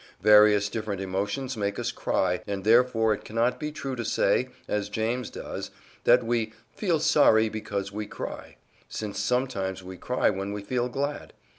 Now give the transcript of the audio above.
Various different emotions make us cry, and therefore it cannot be true to say, as James does, that we "feel sorry because we cry," since sometimes we cry when we feel glad.